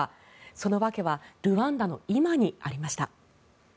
その訳はルワンダの今にありました。